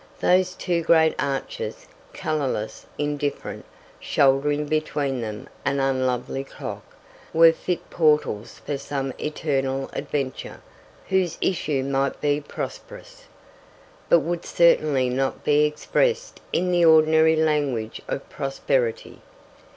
Those two great arches, colourless, indifferent, shouldering between them an unlovely clock, were fit portals for some eternal adventure, whose issue might be prosperous, but would certainly not be expressed in the ordinary language of prosperity.